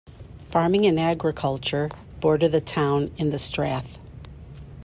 Farming and agriculture border the town in the strath.